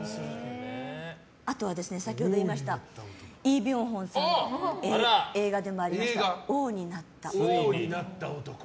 あとは、先ほど言いましたイ・ビョンホンさんの映画でもありました「王になった男」。